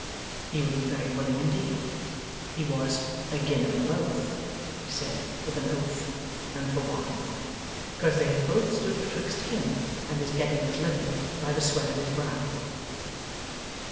He would be very willing indeed. He was 'agin 'em both,' he said with an oath, and for why? 'Cause they had both stood betwixt him and his getting his living by the sweat of his brow.